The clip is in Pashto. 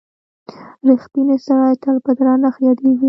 • رښتینی سړی تل په درنښت یادیږي.